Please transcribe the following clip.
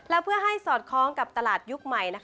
และเพื่อให้สอดคล้องกับตลาดยุคใหม่